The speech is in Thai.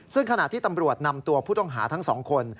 ซึ่งขณะที่ตำรวจนำตัวผู้ต้องหาทั้งสองคน